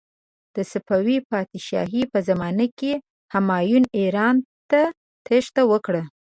د صفوي پادشاهي په زمانې کې همایون ایران ته تیښته وکړه.